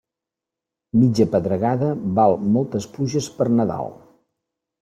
Mitja pedregada val moltes pluges per Nadal.